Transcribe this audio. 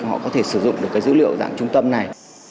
họ có thể sử dụng được cái dữ liệu dạng trung tâm này